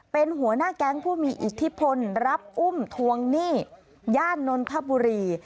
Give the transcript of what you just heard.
เป็นหัวหน้าแก๊งผู้มีอิทธิพลรับอุ้มทวงหนี้ย่านนทบุรี